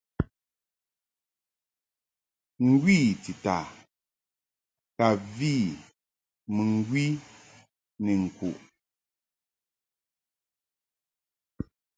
Ngwi tita ka vi mɨŋgwi ni ŋkuʼ.